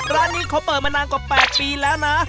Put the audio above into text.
ร้านนี้เขาเปิดมานานกว่า๘ปีแล้วนะ